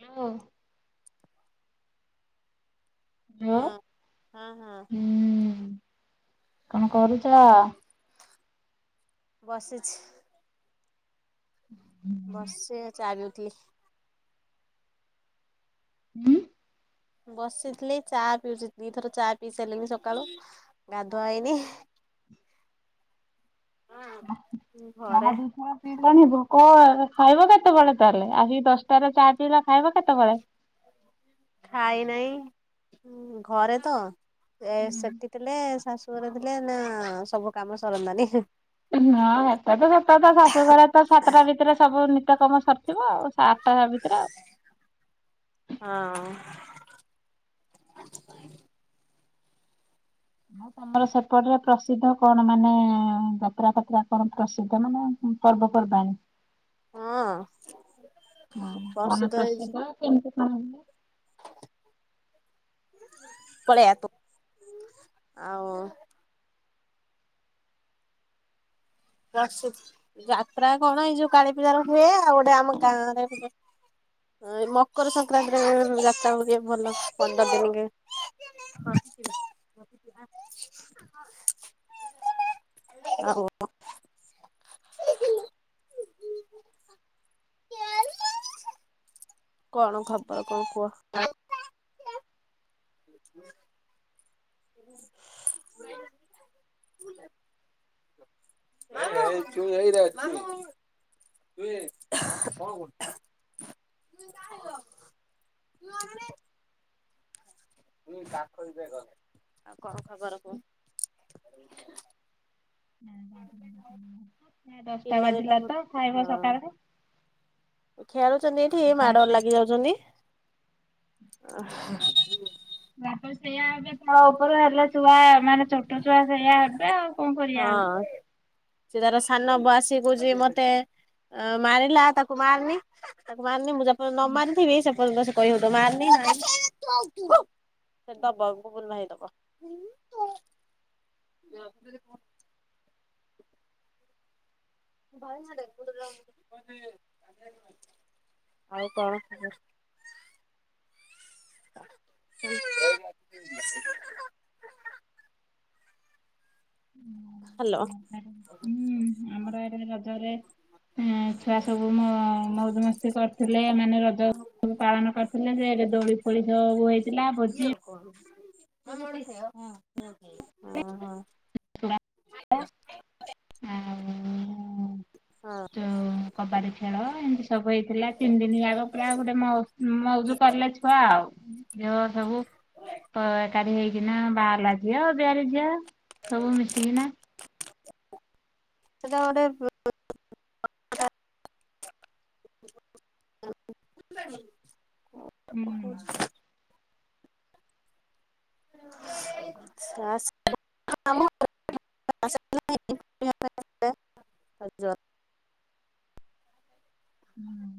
Hello. Hello ହଁ ହଁ ହଁ [inaudible] ହୁଁ। କଣ କରୁଛ? ବସିଛି। [inaudible] ବର୍ଷେ ଚାଲୁଥିଲି ହୁଁ। ବସିଥିଲି ଚା ପିଉଥିଲି ଦୁଇଥର ଚା ପିଇ ସାରିଲିନି ସକାଳୁ ଗାଧୁଆ ହେଇନି। [inaudible] ଘରେ ଚାହା ଦୁଇଥର ପିଇ କଣିବ କଣ ଖାଇବ କେତେବେଳେ ତାହେଲେ ଆସିକି ଦଶଟାରେ ଚାହା ପିଇଲ ଖାଇବ କେତେ ବେଳେ। ଖାଇ ନାହିଁ ଘରେ ତ। ଏ ହୁଁ। ସେଠି ଥିଲେ ଶାଶୁ ଶାଶୁଘରେ ଥିଲେ ନା ସବୁ କାମ ସରନ୍ତାନି। ହଁ ସେଟା ତ ସତ କଥା ଶାଶୁଘରେ ତ ସାତଟା ଭିତରେ ସବୁ କାମ ସରିଥିବ ଆଉ। ଆଠ ଟା ଭିତରେ ଆଉ। ହଁ [inaudible] ଆଉ ତମର ସେପଟରେ ପ୍ରସିଦ୍ଧ କଣ ମାନେ ଯାତ୍ରା ଫାତ୍ରା କଣ ପ୍ରସିଦ୍ଧ ମାନେ ପର୍ବପର୍ବାଣୀ। ହଁ। ହଁ କଣ ବସିତ ହେଇଛି ପ୍ରସିଦ୍ଧ କେମିତି। ହଁ। ପଳେଇଆ ତୁ ଆଉ ପ୍ରସି ଯାତ୍ରା କଣ ଏଇ ଯୋଉ କାଳୀ ପୂଜା ର ହୁଏ ଆଉ ଗୋଟେ ଆମ ଗାଁରେ ମକର ସଂକ୍ରାନ୍ତିରେ ଗୋଟେ [inaudible] କଣ ଖବର କଣ କୁହ? ହୁଁ [inaudible] [inaudible] [inaudible] କିଏ କଣ କରୁଚୁ? ଆଉ କଣ ଖବର କୁହ ଦଶଟା ପିଲା ଦିଟା ବାଜିଲା ହଁ ତ ଖାଇବା ସକାଳରେ ଖେଳୁଚନ୍ତି ଏଠି ମାଡଗୋଲ ଲାଗିଯାଉଚନ୍ତି ଅହ ୟାପରେ ସେଇଆ ହେବେ ତ ଉପରେ ହେଲେ ଛୁଆ ମାନେ ଛୋଟ ଛୁଆ ସେଇଆ ହେବେ ଆଉ କଣ କରିବା ଆଉ ହଁ ସେ ତାର ସାନ ବା ଆସିକି କହୁଚି ମତେ ମାରିଲା ତାକୁ ମାରନି ତାକୁ ମାରନି ମୁଁ ଯା ମୁଁ ନ ମାରିଥିବି ସେପର୍ଯ୍ୟନ୍ତ ସେ [unintelligible] [inaudible] ଆଉ କଣ ଖବର ହୁଁ ଆମର ଇଆଡ଼େ ରଜରେ ଛୁଆ ସବୁ ମ ମଉଜ ମସ୍ତି କରିଥିଲେ ମାନେ ରଜ ସବୁ ପାଳନ କରିଥିଲେ ଯେ ଏବେ ଦୋଳି ଫୋଳି ସବୁ ହେଇଥିଲା ଭୋଜି ହ ନଡି ସେ ହଁ ହଁ ଅ ଆଉଁ ହଁ କବାଡ଼ି ଖେଳ ଏମିତି ସବୁ ହେଇଥିଲା ତିନି ଦିନି ଯାଗ ପୁରା ଗୋଟେ ମଉଜ ମଉଜ କଲେ ଛୁଆ ଆଉ ଝିଅ ସବୁ ଏକାଠି ହେଇକିନା ବାହାହେଲା ଝିଅ ଅବିହାରି ଝିଅ ସବୁ ମିଶିକିନା ସେଟା ଗୋଟେ ହୁଁ। [inaudible] [inaudible] ହୁଁ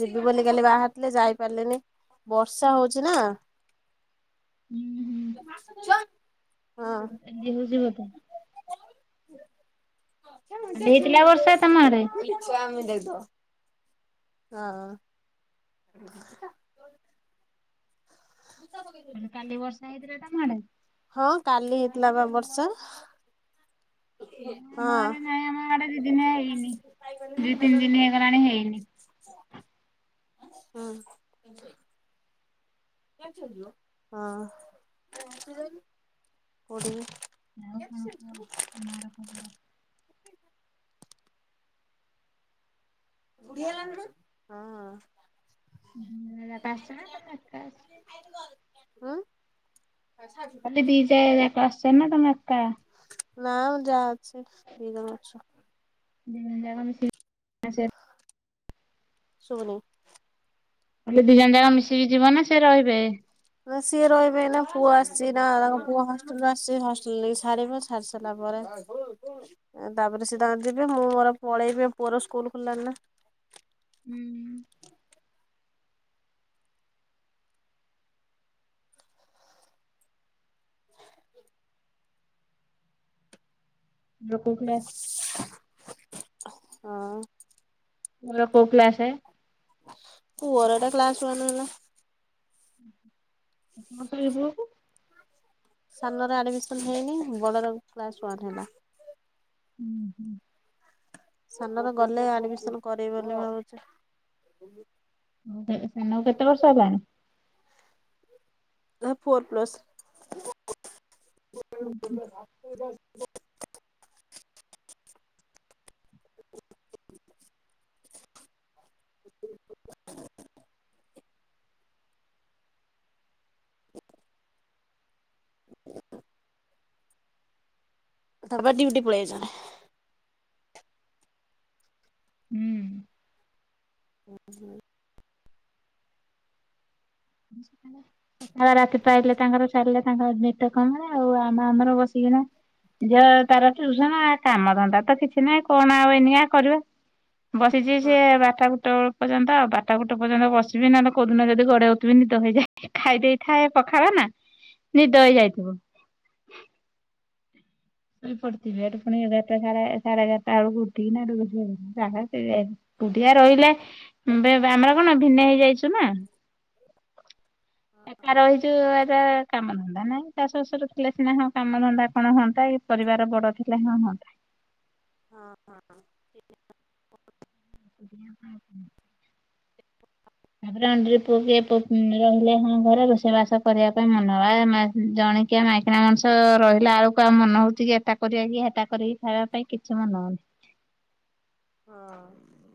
ଯିବି ବୋଲି କାଲି ବାହାରିଥିଲି ଯାଇପାରିଲିନି ବର୍ଷା ହଉଚି ନା ହୁଁ ହୁଁ ଚ ଭାଙ୍ଗି ଯାଇଚି ବଧେ [inaudible] ଆଜି ହେଇଥିଲା ବର୍ଷା ତମଆଡ଼େ? ଇଚା ଆମେ ଦେଦ ହଁ [inaudible] କୁଆଡେ ହଁ କାଲି ହେଇଥିଲା ବା ବର୍ଷା ଆମ ହଁ ଆଡେ ନାଇଁ ଆମ ଆଡେ ଦି ଦିନ ହେଇନି ଦି ତିନି ଦିନ ହେଇଗଲାଣି ହେଇନି। ହଁ ହଁ କୋଉଠିକି ଆଉ କଣ ଏ ଆରୋକ ପରା ହଁ ହତା ଆସିଛ ନା ଏକା ଆସିଛ ହଁ କ ବିଜା କ୍ ସେନ ଟଙ୍ଗ ଅକାା ନା ଯାହା ଅଛି ବିଗନ ବଷର [unintelligible] ସୁଭୁନି ହେଲେ ଦି ଜଣ ଯାକ ମିଶିକି ଯିବ ନା ସେ ରହିବେ ନା ସିଏ ରହିବେ ନା ପୁଅ ଆସିଛି ନା ତାଙ୍କ ପୁଅ ହଷ୍ଟେଲରେ ଆସିଛି ହଷ୍ଟେଲ ନେଇକ ସାରିବ ସାରି ସାରିଲା ପରେ ତାପରେ ସିଏ ତାଙ୍କ ଯିବେ ମୁଁ ମୋର ପଳେଇବି ପୁଅର ସ୍କୁଲ ଖୋଲିଲାନି ନା ହୁଁ [unintelligible] ହଁ ପୁଅର କୋଉ କ୍ଲାସସେ ପୁଅର ଟା କ୍ଲାସଓଣ୍ଣ ହେଲା [unintelligible] ସାନର ଆଡିମିସନ ହେଇନି ବଡର କ୍ଲାସ ୱନ ହେଲା ହୁଁ ହୁଁ ସାନରେ ଗଲେ ଆଡମିସନ କରେଇଵ ବୋଲି ଭାବୁଛି ସାନ କୁକେତେ ବର୍ଷ ହେଲାଣି ଆ ଫୋର ପ୍ଲସ୍ [unintelligible] [inaudible] [inaudible] ବାବା ଡିଉଟି ପଳେଇଛନ। ହିଁ। [inaudible] ସକାଳେ ରାତି ପାଇଲେ ତାଙ୍କର ଚା ବସିଛି ସେ ବାରଟା ଗୁଟେ ବେଳ ପର୍ଯ୍ୟନ୍ତ ଆଉ। ବାରଟା ଗୁଟେ ପର୍ଯ୍ୟନ୍ତ ବସିବି ନହେଲେ କେଉଦିନ ଯଦ ଗଡେଇ ତମେ ନିଦ ହେଇଯାଇ ଖାଇ ଦେଇେଇଥାଏ ପଖାଳ ନା ନିଦ ହେଇଯାଇଥିବ। ଶୋଇ ପଡିଥିବେ ପୁଣି ଏଗାରଟା ସା ସାଢେ ଏଗାରଟା ବେଳକୁ ଉଠିକିନା ଏକୁଟିଆ ରହିଲେ ଆମର କଣ ଭିନେ ହେଇଯାଇଛୁ ନା। ଏକା ରହିଛୁ ଏଟା କାମ ଧନ୍ଦା ନାହିଁ ଶାଶୁ ଶଶୁର ଥିଲେ ସିନା ହଁ କାମ ଧନ୍ଦା କଣ ହୁଅନ୍ତା, ପରିବାର ବଡ ଥିଲେ ହଁ ହୁଅନ୍ତା। ହଁ ହଁ। [unintelligible] ତାପରେ ଅଣ୍ଡିରେ ପୁଅ କି ରହିଲେ ହଁ ଘରେ ରୋଷେଇବାସ କରିବା ପାଇଁ ମନେ ହବ, ଜଣିକିଆ ମାଇକିଣା ମଣିଷ ରହିଲା ଆଳକୁ ଆଉ ମନେ ହଉଛି କି ଏା ଟା କରିବା କି ସେଟା କରିକି ଖାଇବା ପାଇଁ କିଛି ମନ ହଉନି। ହଁ।